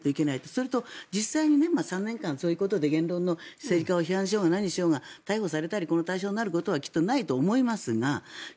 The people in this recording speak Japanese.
それと実際に３年間、そういうことで政権を批判しようが何しようが逮捕されたり対象になることはきっとないと思いますが。